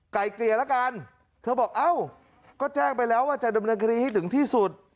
เกลี่ยแล้วกันเธอบอกเอ้าก็แจ้งไปแล้วว่าจะดำเนินคดีให้ถึงที่สุด